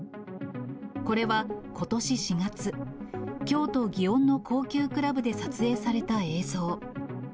これはことし４月、京都・祇園の高級クラブで撮影された映像。